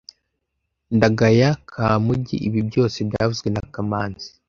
Ndagaya Kamugi ibi byose byavuzwe na kamanzi